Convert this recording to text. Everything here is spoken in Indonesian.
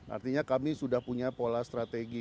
artinya kami sudah punya pola strategi